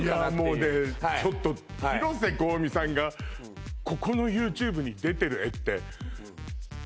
もうねちょっと広瀬香美さんがここのＹｏｕＴｕｂｅに出てる画って・